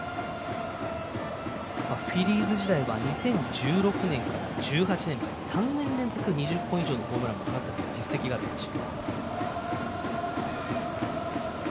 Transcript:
フィリーズ時代は２０１６年から１８年まで３年連続２０本以上のホームランを放ったという実績がある選手。